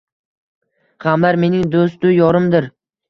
Gʻamlar mening doʻstu yorimdir.